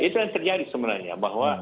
itu yang terjadi sebenarnya